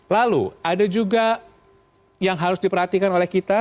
lalu ada juga yang harus diperhatikan oleh kita